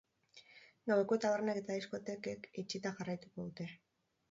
Gaueko tabernek eta diskotekek itxita jarraituko dute.